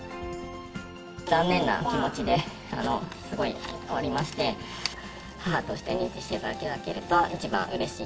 残念な気持ちで、すごい、おりまして、母として認知していただけると一番うれしい。